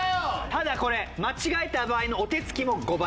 ただこれ間違えた場合のお手つきも５倍。